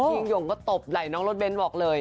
ยิ่งหย่งก็ตบไหล่น้องรถเน้นบอกเลย